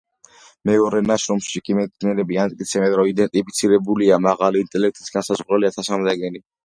მეორე ნაშრომში კი მეცნიერები ამტკიცებენ, რომ იდენტიფიცირებულია მაღალი ინტელექტის განმსაზღვრელი ათასამდე გენი.